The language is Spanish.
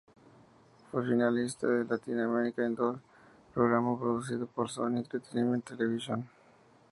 Fue finalista de "Latín American Idol" programa producido por Sony Entertainment Television.